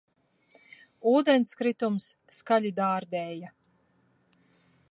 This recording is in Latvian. Ūdenskritums skaļi dārdēja